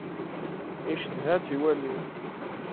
Icedha ad tt-iwali.